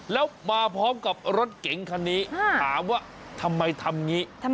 แล้วมาพร้อมกับรถเก่งคันนี้ฮะถามว่าทำไมทำงี้ทำไมค่ะ